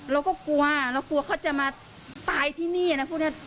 เราก็กลัวเขาจะมาตายที่นี่นะครับ